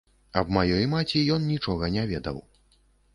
Аб маёй маці ён нічога не ведаў.